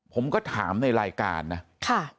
ผมก็ถามในรายการนะ